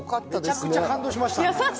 めちゃくちゃ感動しました。